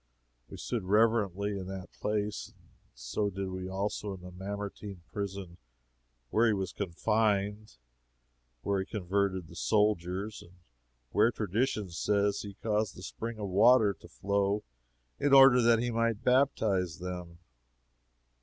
We stood reverently in that place; so did we also in the Mamertine Prison, where he was confined, where he converted the soldiers, and where tradition says he caused a spring of water to flow in order that he might baptize them.